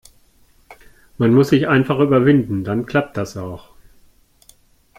Man muss sich einfach überwinden. Dann klappt das auch.